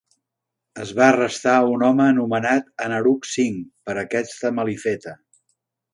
Es va arrestar a un home, anomenat Anurag Singh, per aquesta malifeta.